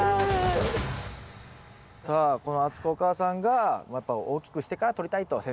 さあこの敦子お母さんがやっぱ大きくしてからとりたいと。